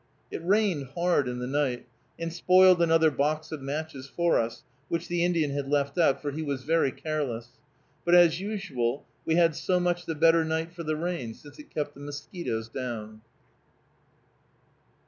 It rained hard in the night, and spoiled another box of matches for us, which the Indian had left out, for he was very careless; but, as usual, we had so much the better night for the rain, since it kept the mosquitoes down.